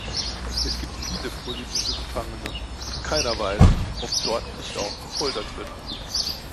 Es gibt viele politische Gefangene, und keiner weiß, ob dort nicht auch gefoltert wird.